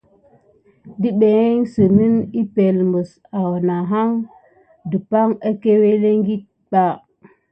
Demedane aka epəŋle mis analan ban depensine akanedi.